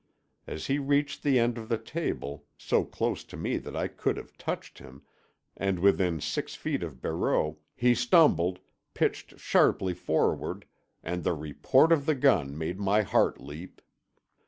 As he reached the end of the table, so close to me that I could have touched him, and within six feet of Barreau, he stumbled, pitched sharply forward, and the report of the gun made my heart leap.